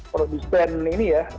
producen ini ya